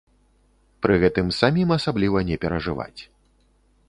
Пры гэтым самім асабліва не перажываць.